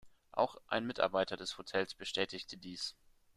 Auch ein Mitarbeiter des Hotels bestätige dies.